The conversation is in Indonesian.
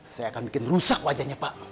saya akan bikin rusak wajahnya pak